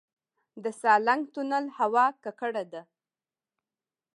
د سالنګ تونل هوا ککړه ده